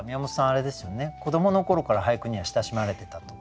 あれですよね子どもの頃から俳句には親しまれてたと。